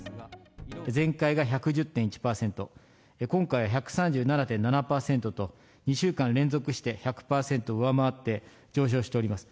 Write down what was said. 前回が１１０．１％、今回１３７．７％と、２週間連続して１００％を上回って上昇しております。